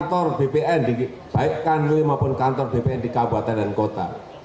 kantor bpn baik kanwil maupun kantor bpn di kabupaten dan kota